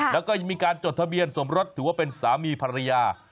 แล้วก็ยังมีการจดทะเบียนสมรสถือว่าเป็นสามีภรรยา